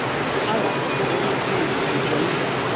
The Arabs call these ruins Mujellibe.